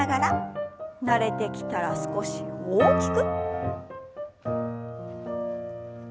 慣れてきたら少し大きく。